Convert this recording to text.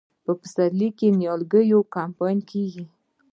په پسرلي کې د نیالګیو کمپاین کیږي.